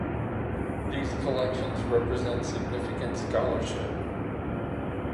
These collections represent significant scholarship.